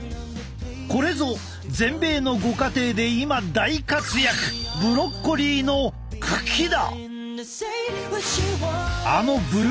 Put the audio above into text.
これぞ全米のご家庭で今大活躍ブロッコリーの茎だ！